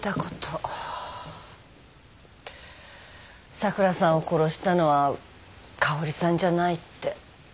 桜さんを殺したのは香織さんじゃないって。